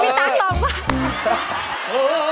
ว่าลูก